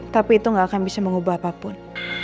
tapi itu gak akan bisa mengubah apapun